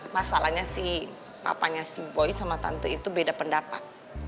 masalahnya si papanya boy sama tante itu beda pendapat